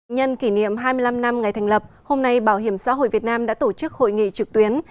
nhân kỷ niệm hai mươi năm năm ngày thành lập hôm nay bảo hiểm xã hội việt nam đã tổ chức hội nghị trực tuyến